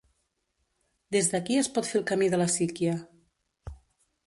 Des d'aquí es pot fer el camí de la síquia.